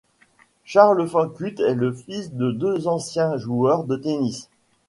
Charles Fancutt est le fils de deux anciens joueurs de tennis.